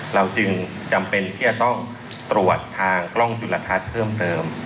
เราจึงจำเป็นที่จะต้องตรวจทางกล้องจุลทัศน์เพิ่มเติม